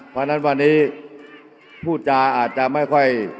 เพราะฉะนั้นวันนี้พูดจาอาจจะไม่ค่อย